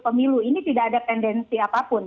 pemilu ini tidak ada tendensi apapun